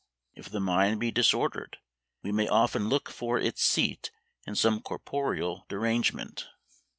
If the mind be disordered, we may often look for its seat in some corporeal derangement.